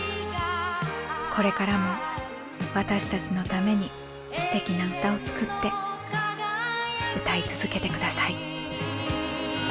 これからも私たちのためにすてきな歌を作って歌い続けて下さい。